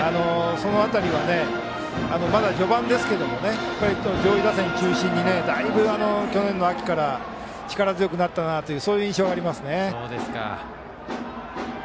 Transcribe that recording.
その辺りはまだ序盤ですけども上位打線を中心にだいぶ去年の秋から力強くなったなという印象がありますね。